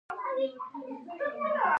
ژبه سمه ولوستلای شو.